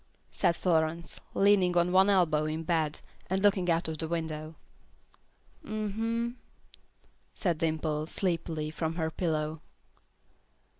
said Florence, leaning on one elbow in bed, and looking out of the window. "Hm, hm," said Dimple, sleepily, from her pillow.